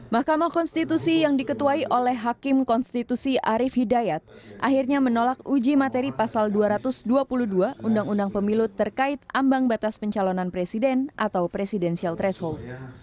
mahkamah konstitusi yang diketuai oleh hakim konstitusi arief hidayat akhirnya menolak uji materi pasal dua ratus dua puluh dua undang undang pemilu terkait ambang batas pencalonan presiden atau presidensial threshold